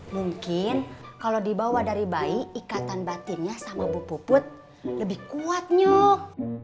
mungkin kalau dibawa dari bayi ikatan batinnya sama bu put lebih kuat nyok